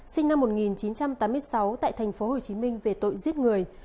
sinh năm một nghìn chín trăm tám mươi sáu tại tp hcm về tội giết người